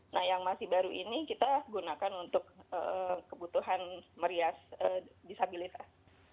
nah yang masih baru ini kita gunakan untuk kebutuhan merias disabilitas